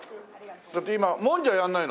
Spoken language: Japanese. だって今もんじゃやらないの？